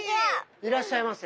いらっしゃいませ。